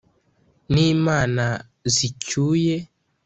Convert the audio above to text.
N' imana zicyuye,